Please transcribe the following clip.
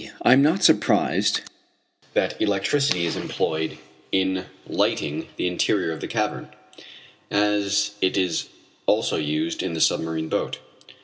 I am not surprised that electricity is employed in lighting the interior of the cavern, as it is also used in the submarine boat.